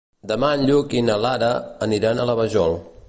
Demà en Lluc i na Lara aniran a la Vajol.